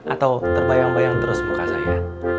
atau terbayang bayang terus muka saya